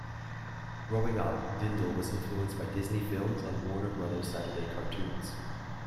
Growing up, Dindal was influenced by Disney films and Warner Brothers Saturday cartoons.